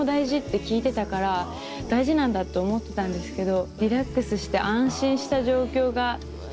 大事なんだって思ってたんですけど。